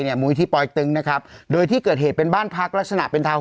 เนี่ยมุมศนียปลอยตึ๊งนะครับโดยที่เกิดเหตุเป็นบ้านพักลักษณะเป็นธาวน์